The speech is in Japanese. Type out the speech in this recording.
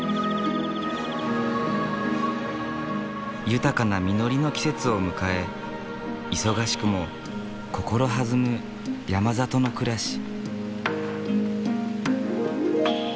豊かな実りの季節を迎え忙しくも心弾む山里の暮らし。